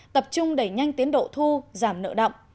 tập trung đẩy nhanh tiến độ thu giảm nợ động